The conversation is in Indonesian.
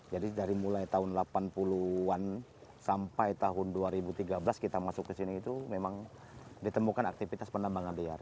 dari mulai tahun delapan puluh an sampai tahun dua ribu tiga belas kita masuk ke sini itu memang ditemukan aktivitas penambangan liar